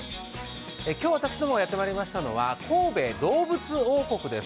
今日、私どもがやってまいりましたのは、神戸どうぶつ王国です。